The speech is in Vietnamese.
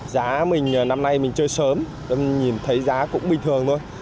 giá mình năm nay mình chơi sớm nhìn thấy giá cũng bình thường thôi